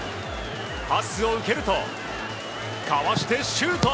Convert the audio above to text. パスを受けるとかわしてシュート！